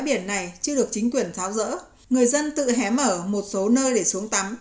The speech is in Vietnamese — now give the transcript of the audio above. báo rỡ người dân tự hé mở một số nơi để xuống tắm